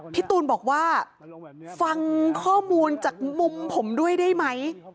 พี่ตูนบอกว่าฟังข้อมูลจากมุมผมด้วยได้ไหม